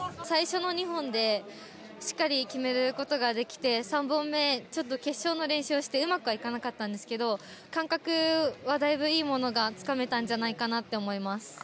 最初の２本でしっかり決めることができて３本目ちょっと決勝の練習をしてうまくはいかなかったんですけど感覚はだいぶいいものがつかめたんじゃないかなと思います。